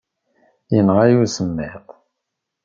Yenɣa-iyi usemmiḍ.